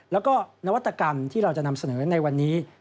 แล้วก็นวัตกรรมที่เราจะนำเสนอในวันนี้